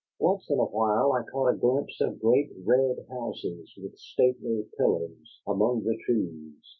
Once in a while I caught glimpses of great red houses, with stately pillars, among the trees.